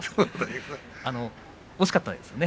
惜しかったですよね。